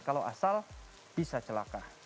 kalau asal bisa celaka